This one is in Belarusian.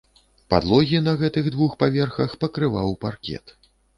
Падлогі на гэтых двух паверхах пакрываў паркет.